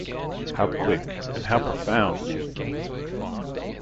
How quick, and how profound!